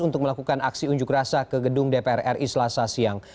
untuk melakukan aksi unjuk rasa ke gedung dpr ri selasa siang